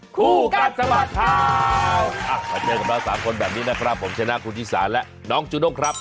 คู่กัดสะบัดค่ะสามคนแบบนี้นะครับผมชนะคุณธิสารและน้องจุโน่งครับ